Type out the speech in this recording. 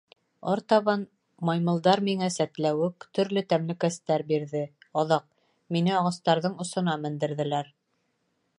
— Артабан... маймылдар миңә сәтләүек, төрлө тәмлекәстәр бирҙе, аҙаҡ... мине ағастарҙың осона мендерҙеләр.